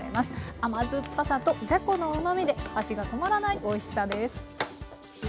甘酸っぱさとじゃこのうまみで箸が止まらないおいしさです。